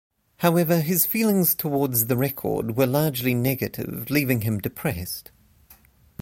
However, his feelings towards the record were largely negative, leaving him depressed.